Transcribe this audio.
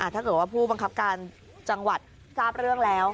ถ้าเกิดว่าผู้บังคับการจังหวัดทราบเรื่องแล้ว